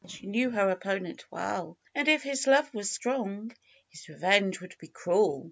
She knew her opponent well, and if his love was strong, his revenge would be cruel.